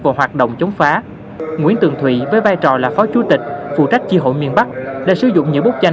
vào hoạt động chống phá nguyễn tường thụy với vai trò là phó chủ tịch phụ trách chi hội miền bắc đã sử dụng những bức tranh